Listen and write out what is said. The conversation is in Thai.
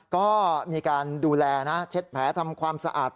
ก็มีการดูแลนะเช็ดแผลทำความสะอาด